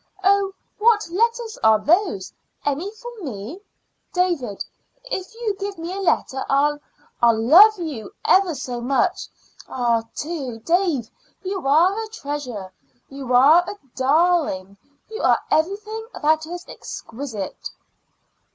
"Oh, what letters are those? Any for me? David, if you give me a letter I'll I'll love you ever so much. Ah, two! Dave, you are a treasure; you are a darling; you are everything that is exquisite."